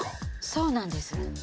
そうなんです。